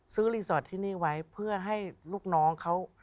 รีสอร์ทที่นี่ไว้เพื่อให้ลูกน้องเขา